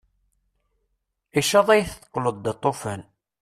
Icaṭ ay teqqleḍ d aṭufan!